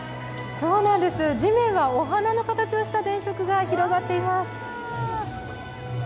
地面は、お花の形をした電飾が広がっています。